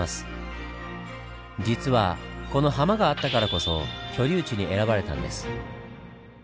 実はこのハマがあったからこそ居留地に選ばれたんです。